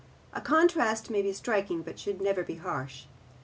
A contrast may be striking but should never be harsh.